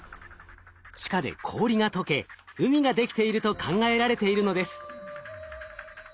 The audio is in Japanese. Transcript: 地下で氷がとけ海が出来ていると考えられているのです。